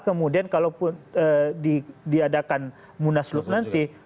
kemudian kalau diadakan munas lut nanti